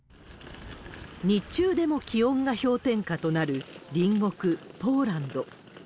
日中でも気温が氷点下となる隣国、ポーランド。